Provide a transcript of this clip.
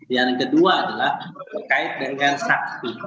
yang kedua adalah terkait dengan saksi